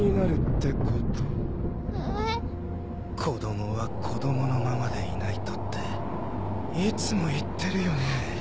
子供は子供のままでいないとっていつも言ってるよね。